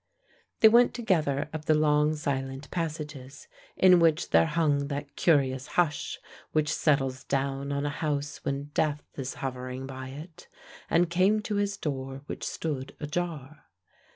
They went together up the long silent passages in which there hung that curious hush which settles down on a house when death is hovering by it, and came to his door which stood ajar.